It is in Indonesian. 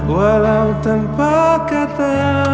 walau tanpa kata